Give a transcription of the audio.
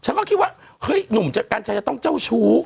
ฉันก็คิดว่าเฮ้ยหนุ่มกัญชัยจะต้องเจ้าชู้